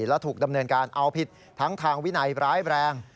และถูกดำเนินการเอาผิดทั้งทางวินัยร้ายแรง